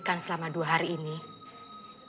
mungkin obat berenang yang terus menerus kami mencari